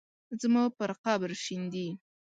زما پر قبر شیندي